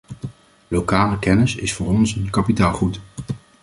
Lokale kennis is voor ons een kapitaalgoed.